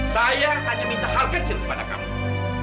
saya hanya minta hal kecil kepada kamu